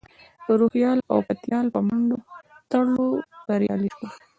د روهیال او پتیال په منډو ترړو بریالی شوم.